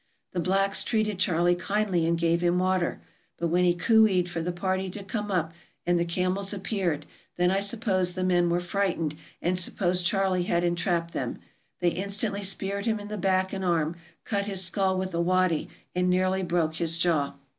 The blacks treated Charley kindly and gave him water; but when he cooeed for the party to come up, and the camels appeared, then I suppose the men were frightened, and supposed Charley had en trapped them. They instantly speared him in the back and arm, cut his skull with a waddy, and nearly broke his jaw.